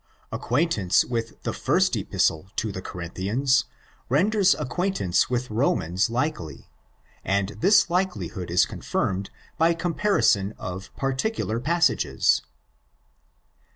Acquaintance with the first Epistle to the Corinthians renders acquaintance with Romans likely; and this likelihood is confirmed by comparison of particular passages.